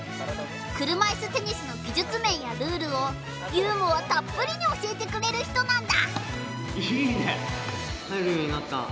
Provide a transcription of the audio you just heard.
車いすテニスの技術面やルールをユーモアたっぷりに教えてくれる人なんだ。